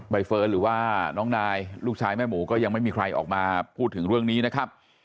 เฟิร์นหรือว่าน้องนายลูกชายแม่หมูก็ยังไม่มีใครออกมาพูดถึงเรื่องนี้นะครับ